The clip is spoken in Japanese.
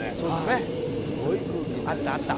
すごい空気になりました。